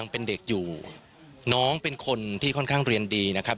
น้องเป็นคนที่ค่อนข้างเรียนดีนะครับ